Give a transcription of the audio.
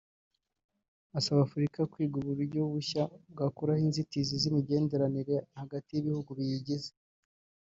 asaba Afurika kwiga ku buryo bushya bwakuraho inzitizi z’imigenderanire hagati y’ibihugu biyigize